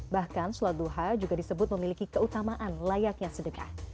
bahkan sulat duha juga disebut memiliki keutamaan layaknya sedekah